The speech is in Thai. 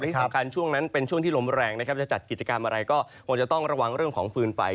ที่สำคัญช่วงนั้นเป็นช่วงที่ลมแรงนะครับจะจัดกิจกรรมอะไรก็คงจะต้องระวังเรื่องของฟืนไฟ